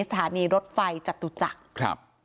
สถานีรถไฟจัตุจักร